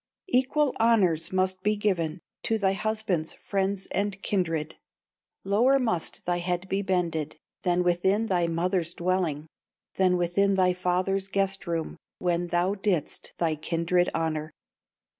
"Equal honors must be given To thy husband's friends and kindred; Lower must thy head be bended, Than within thy mother's dwelling, Than within thy father's guest room, When thou didst thy kindred honor.